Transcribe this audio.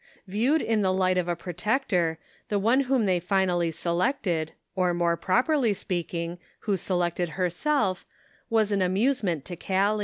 Viewed in the light of a protector, the one whom they finally selected, or, more properly speaking, who selected herself, was an amuse ment to Callie.